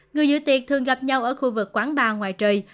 người giữ tiệc thường gặp nhau ở khu vực quán bar ngoài trời